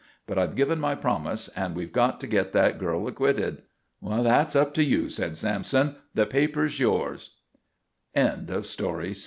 But I've given my promise and we've got to get that girl acquitted." "That's up to you," said Sampson. "The paper's yours." VII THE PENDELTON LE